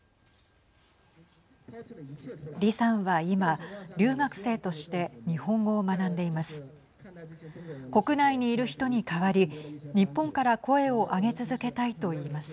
李さんは今、留学生として日本語を学んでいます。